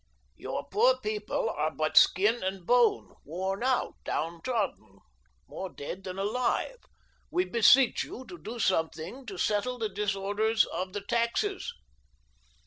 Your poor people are but skin and bone, worn out, down beat, more dead than alive ; we beseech you to do some thing to settle the disorders of the taxes."